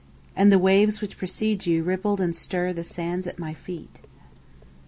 And the waves which precede youRipple and stirThe sands at my feet.